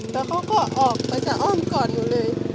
แล้วเขาก็ออกประชาอ้อมกอดหนูเลย